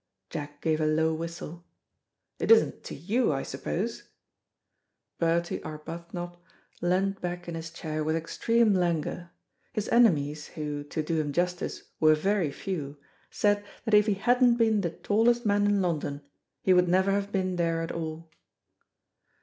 Jack gave a low whistle. "It isn't to you, I suppose?" Bertie Arbuthnot leaned back in his chair with extreme languor. His enemies, who, to do him justice, were very few, said that if he hadn't been the tallest man in London, he would never have been there at all.